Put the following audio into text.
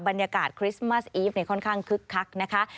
บรรยากาศคริสต์มัสอีฟค่อนข้างคึกคักนะคะ